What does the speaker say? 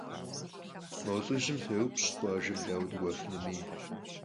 Mo lh'ıjım fêupş' khuajjem daue dık'uefınumi.